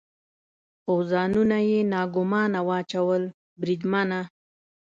خو ځانونه یې ناګومانه واچول، بریدمنه.